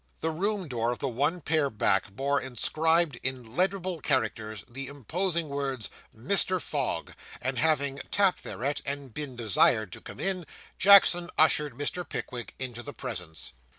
The room door of the one pair back, bore inscribed in legible characters the imposing words, 'Mr. Fogg'; and, having tapped thereat, and been desired to come in, Jackson ushered Mr. Pickwick into the presence.